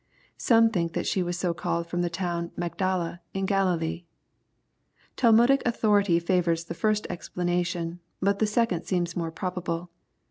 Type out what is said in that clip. Some think that she was so called from the town of " Magdala/' in Ghililee. Tahnudic authority favors the first explanation, but the second seems more probable.